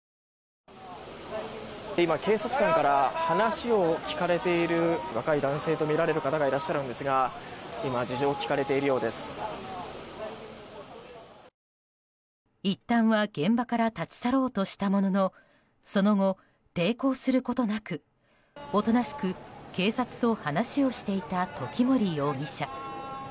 今、警察官から話を聞かれている若い男性とみられる方がいらっしゃるんですがいったんは現場から立ち去ろうとしたもののその後、抵抗することなくおとなしく警察と話をしていた時森容疑者。